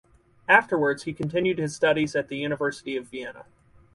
Afterwards he continued his studies at the University of Vienna.